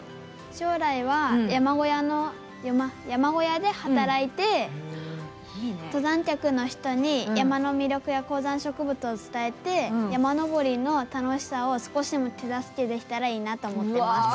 将来は山小屋で働いて登山客の人に山の魅力や高山植物を伝えて、山登りの楽しさを少しでも手助けできたらいいなと思ってます。